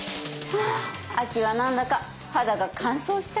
ああ秋は何だか肌が乾燥しちゃって。